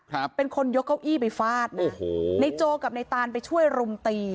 ครับเป็นคนยกเก้าอี้ไปฟาดนะโอ้โหในโจกับในตานไปช่วยรุมตี